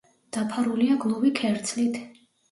დაფარულია გლუვი ქერცლით.